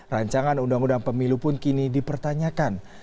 rancangan undang undang pemilu pun kini dipertanyakan